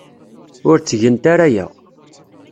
Ur ttgent ara aya.